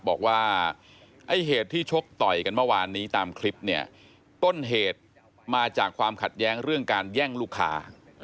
บอกว่าไอ้เหตุที่ชกต่อยกันเมื่อวานนี้ตามคลิปเนี่ยต้นเหตุมาจากความขัดแย้งเรื่องการแย่งลูกค้า